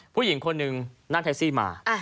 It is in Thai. ผู้หญิงคนหนึ่งนั่งแท็กซี่มา